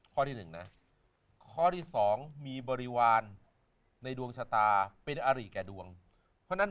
ข้อที่๑นะข้อที่๒มีบริวารในดวงชะตาเป็นอริแก่ดวงเพราะนั้น